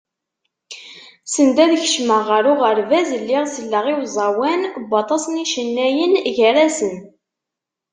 Send ad kecmeɣ ɣer uɣerbaz, lliɣ selleɣ i uẓawan n waṭas n yicennayen, gar-asen.